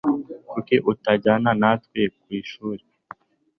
Kuki utajyana natwe ku ishuri?